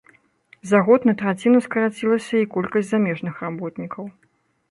За год на траціну скарацілася і колькасць замежных работнікаў.